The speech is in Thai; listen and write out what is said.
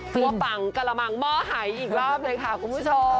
ปังกระมังหม้อหายอีกรอบเลยค่ะคุณผู้ชม